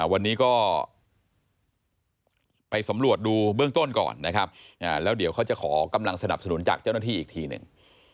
วันนี้ก็ไปสำรวจดูเบื้องต้นก่อนนะครับแล้วเดี๋ยวเขาจะขอกำลังสนับสนุนจากเจ้าหน้าที่อีกทีหนึ่ง